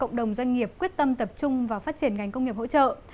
cộng đồng doanh nghiệp quyết tâm tập trung vào phát triển ngành công nghiệp hỗ trợ